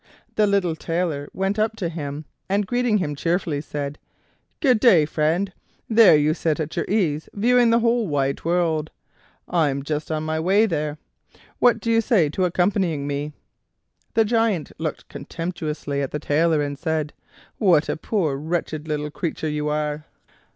The little Tailor went up to him, and greeting him cheerfully said: "Good day, friend; there you sit at your ease viewing the whole wide world. I'm just on my way there. What do you say to accompanying me?" The Giant looked contemptuously at the Tailor, and said: "What a poor, wretched little creature you are!"